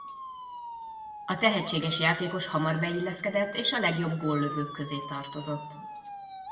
A tehetséges játékos hamar beilleszkedett és a legjobb góllövők közé tartozott.